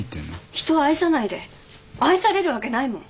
人を愛さないで愛されるわけないもん。